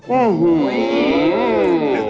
อื้อฮือ